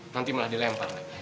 nanti malah dilempar nek